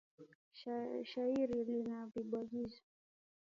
Shairi lina vibwagizo.